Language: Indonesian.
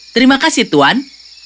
terima kasih tuan